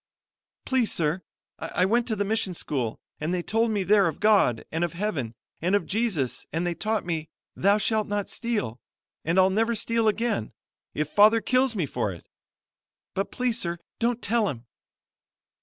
"Please, sir, I went to the mission school, and they told me there of God and of Heaven and of Jesus and they taught me, 'Thou shalt not steal,' and I'll never steal again, if father kills me for it. But, please sir, don't tell him."